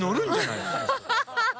ハハハ！